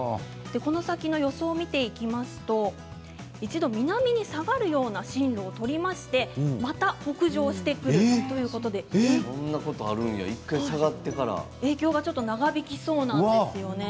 この先の予想を見ていきますと一度、南に下がるような進路を取りましてまた北上してくるということで影響が長引きそうなんですよね。